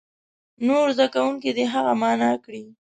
نور زده کوونکي دې هغه معنا کړي.